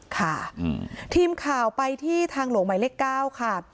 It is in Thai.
ค่ะอืมทีมข่าวไปที่ทางหลวงใหม่เล็กเก้าค่ะ